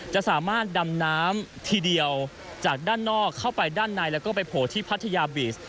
จะสามารถดำน้ำทีเดียวจากด้านนอกเข้าไปด้านในแล้วก็ไปโผล่ที่พัทยาบีช